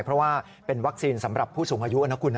เพราะว่าเป็นวัคซีนสำหรับผู้สูงอายุนะคุณนะ